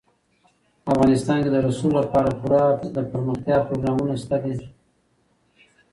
افغانستان کې د رسوب لپاره پوره دپرمختیا پروګرامونه شته دي.